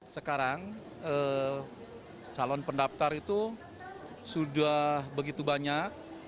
sekarang calon pendaftar itu sudah begitu banyak